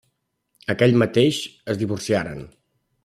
Aquell mateix es divorciaren.